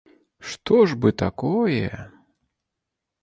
Што ж бы такое?